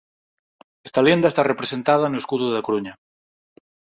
Esta lenda está representada no escudo da Coruña.